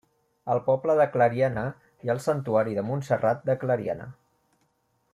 Al poble de Clariana hi ha el santuari de Montserrat de Clariana.